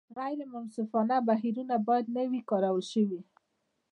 غیر منصفانه بهیرونه باید نه وي کارول شوي.